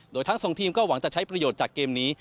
โดยทั้งสองทีมก็หวังจะใช้ประโยชน์จากเกมนี้